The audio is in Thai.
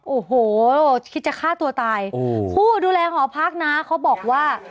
โอ้โหคิดจะฆ่าตัวตายอืมผู้ดูแลหอพักนะเขาบอกว่า